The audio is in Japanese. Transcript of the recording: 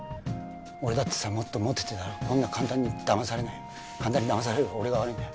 俺だってさもっとモテてたらこんな簡単にだまされないよ簡単にだまされる俺が悪いんだよ